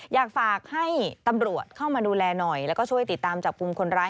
อยากฝากให้ตำรวจเข้ามาดูแลหน่อยแล้วก็ช่วยติดตามจับกลุ่มคนร้าย